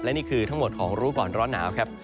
นี่คือทั้งหมดของรู้ก่อนร้อนหนาวครับ